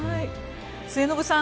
末延さん